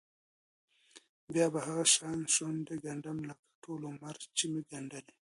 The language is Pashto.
بیا به هغه شان شونډې ګنډم لکه ټول عمر چې مې ګنډلې.